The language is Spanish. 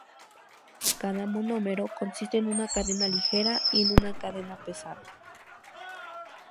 Cada monómero consiste en una cadena ligera y en una cadena pesada.